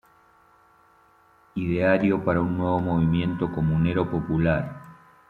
Ideario para un nuevo movimiento comunero popular".